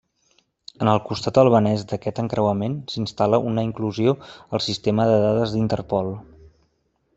En el costat albanès d'aquest encreuament, s'instal·la una inclusió al sistema de dades d'Interpol.